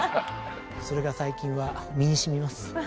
それが最近は身にしみます。